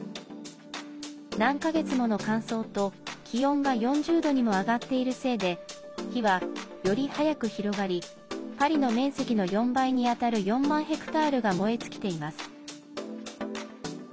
何か月もの乾燥と、気温が４０度にも上がっているせいで火は、より早く広がりパリの面積の４倍にあたる４万ヘクタールが燃え尽きています。